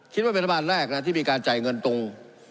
คิดว่าเป็นรัฐบาลแรกนะที่มีการจ่ายเงินตรง